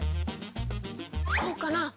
こうかな？